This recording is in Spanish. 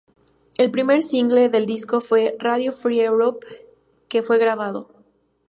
El primer single del disco fue "Radio Free Europe", que fue regrabado.